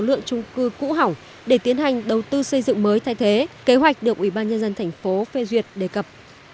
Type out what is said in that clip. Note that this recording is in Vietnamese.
lượng trung cư cũ hỏng để tiến hành đầu tư xây dựng mới thay thế kế hoạch được ủy ban nhân dân thành phố phê duyệt đề cập